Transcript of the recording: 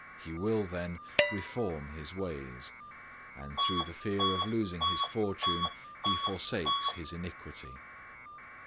He will, then, reform his ways, and through the fear of losing his fortune he forsakes his iniquity.